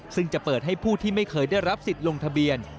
ซึ่งจะเปิดให้ผู้ที่ไม่เคยได้รับสิทธิ์ลงทะเบียน